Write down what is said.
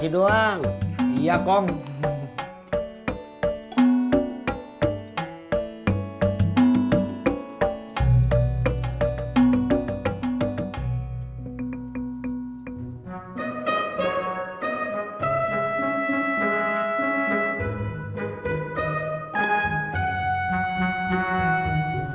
kita berangkat dapet perut lagi